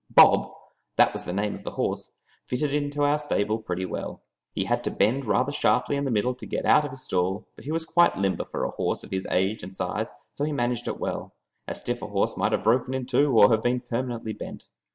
Bob that was the name of the horse fitted into our stable pretty well. He had to bend rather sharply in the middle to get out of his stall, but he was quite limber for a horse of his age and size, so he managed it very well. A stiffer horse might have broken in two or have been permanently bent.